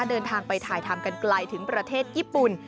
เดินทางไปถ่ายทำกันไกลถึงประเทศญี่ปุ่น